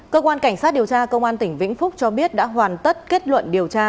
cơ quan cảnh sát điều tra công an tỉnh vĩnh phúc cho biết đã hoàn tất kết luận điều tra